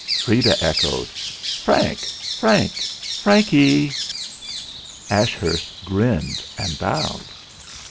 Freda echoed: "Frank, Frank, Franky." Ashurst grinned and bowed.